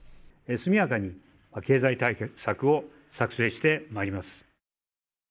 速やかに経済対策を作成してまいります。